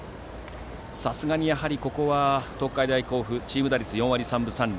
さすがに東海大甲府チーム打率４割３分３厘。